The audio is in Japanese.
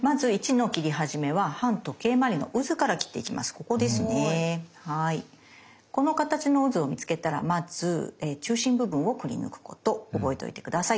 この形のうずを見つけたらまず中心部分をくりぬくこと覚えておいて下さい。